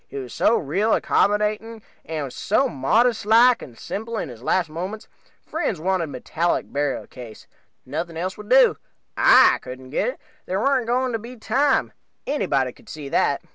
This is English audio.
He was so real accommodating, and so modest like and simple in his last moments. Friends wanted metallic burial case nothing else would do. I couldn't get it. There warn't going to be time anybody could see that.